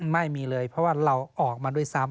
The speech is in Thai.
ไม่มีเลยเพราะว่าเราออกมาด้วยซ้ำ